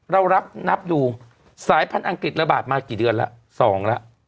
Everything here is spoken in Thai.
เรารับนับดูสายพันธุ์อังกฤษระบาดมากี่เดือนแล้ว๒แล้ว